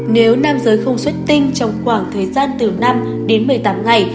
nếu nam giới không xuất tinh trong khoảng thời gian từ năm đến một mươi tám ngày